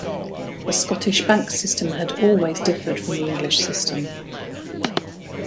The Scottish bank system had always differed from the English system.